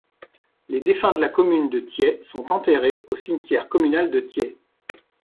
Les défunts de la commune de Thiais sont enterrés au cimetière communal de Thiais.